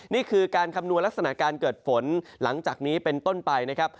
นี่คือการคำนวณลักษณะการเกิดฝนหลังจากนี้เป็นต้นไปนะครับ